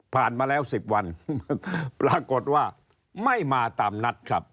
มาแล้ว๑๐วันปรากฏว่าไม่มาตามนัดครับ